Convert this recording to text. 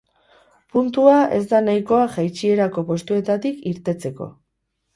Puntua ez da nahikoa jaitsierako postuetatik irtertzeko.